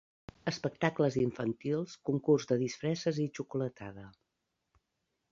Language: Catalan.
Espectacles infantils, concurs de disfresses i xocolatada.